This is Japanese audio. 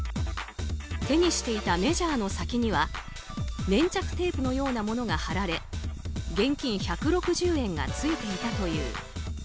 手にしていたメジャーの先には粘着テープのようなものが貼られ現金１６０円が付いていたという。